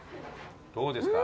どうですか？